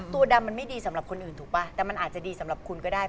ตัวดำมันไม่ดีสำหรับคนอื่นถูกป่ะแต่มันอาจจะดีสำหรับคุณก็ได้